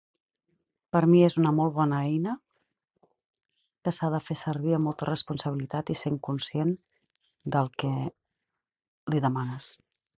Per mi és una molt bona eina que s'ha de fer servir amb molta responsabilitat i sent conscient del que li demanes.